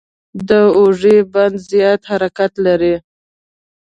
د اوږې بند زیات حرکت لري.